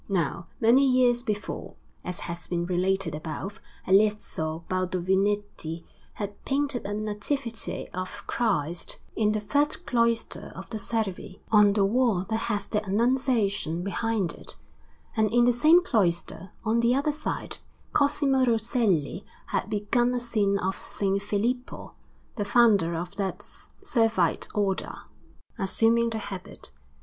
Now many years before, as has been related above, Alesso Baldovinetti had painted a Nativity of Christ in the first cloister of the Servi, on the wall that has the Annunciation behind it; and in the same cloister, on the other side, Cosimo Rosselli had begun a scene of S. Filippo, the founder of that Servite Order, assuming the habit.